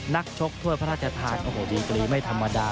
นักชกทั่วพระราชทธาตุโอ้โหดีกรีไม่ธรรมดา